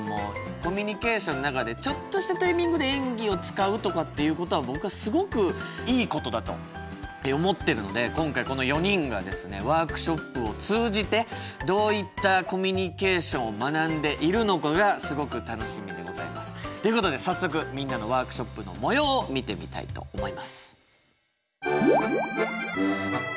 コミュニケーションの中でちょっとしたタイミングで演技を使うとかっていうことは僕はすごくいいことだと思ってるので今回この４人がですねワークショップを通じてどういったコミュニケーションを学んでいるのかがすごく楽しみでございます。ということで早速みんなのワークショップのもようを見てみたいと思います。